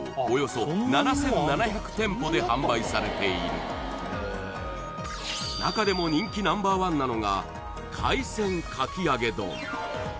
およそ７７００店舗で販売されている中でも人気ナンバーワンなのが海鮮かき揚げ丼